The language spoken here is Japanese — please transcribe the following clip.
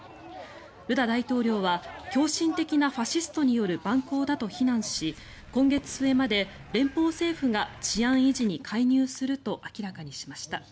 ルラ大統領は狂信的なファシストによる蛮行だと非難し今月末まで連邦政府が治安維持に介入すると明らかにしました。